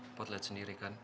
mpok liat sendiri kan